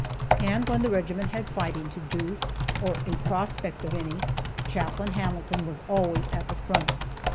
And when the regiment had fighting to do, or a prospect of any, Chaplain Hamilton was always at the front.